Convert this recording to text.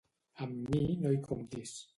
Amb mi no hi comptis.